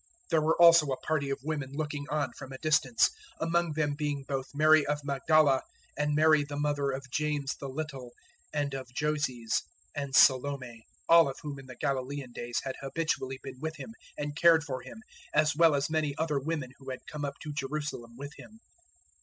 015:040 There were also a party of women looking on from a distance; among them being both Mary of Magdala and Mary the mother of James the Little and of Joses, and Salome 015:041 all of whom in the Galilaean days had habitually been with Him and cared for Him, as well as many other women who had come up to Jerusalem with Him.